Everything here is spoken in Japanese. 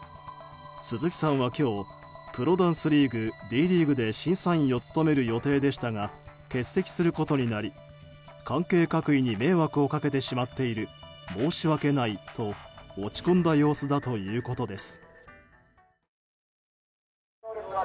鈴木さんは今日プロダンスリーグ、Ｄリーグで審査員を務める予定でしたが欠席することになり関係各位に迷惑をかけてしまっている申し訳ないと落ち込んだ様子だということです。